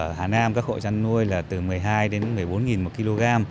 ở hà nam các hộ chăn nuôi là từ một mươi hai đến một mươi bốn một kg